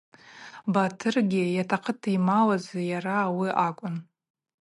Батыргьи йтахъыта ймауаз йара ауи акӏвын.